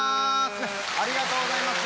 ありがとうございます。